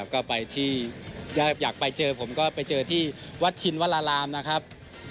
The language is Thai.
ก็ไปที่ถ้าอยากไปเจอผมก็ไปเจอที่วัดชินวรารามนะครับ